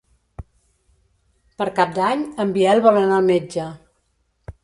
Per Cap d'Any en Biel vol anar al metge.